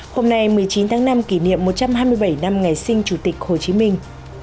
hôm nay một mươi chín tháng năm kỷ niệm một trăm hai mươi bảy năm ngày sinh chủ tịch hồ chí minh